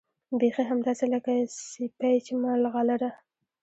بيخي همداسې لکه سيپۍ چې ملغلره